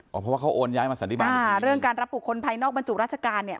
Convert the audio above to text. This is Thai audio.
เพราะว่าเขาโอนย้ายมาสันติบาลอ่าเรื่องการรับบุคคลภายนอกบรรจุราชการเนี่ย